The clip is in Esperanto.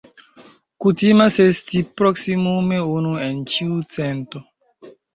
Kutimas esti proksimume unu en ĉiu cento.